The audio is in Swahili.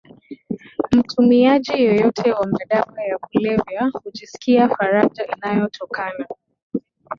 Mtumiaji yeyote wa madawa ya kulevya hujisikia faraja inayotokana